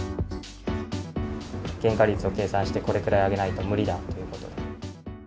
原価率を計算して、これくらい上げないと無理だっていうことで。